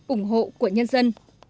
ủng hộ của nhân dân